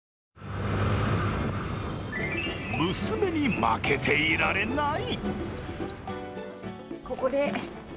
娘に負けていられない。